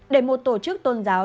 để một tổ chức tôn giáo